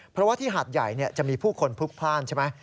เพราะว่าที่หาดใหญ่จะมีผู้คนพลุกพลาดใช่ไหม